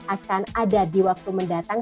akan ada di waktu mendatang